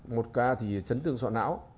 một ca thì chấn thương sọ não